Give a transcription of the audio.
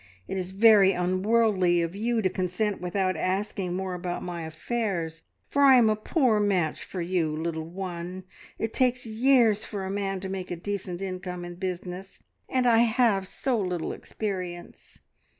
It is very unworldly of you to consent without asking more about my affairs, for I am a poor match for you, little one. It takes years for a man to make a decent income in business, and I have so little experience.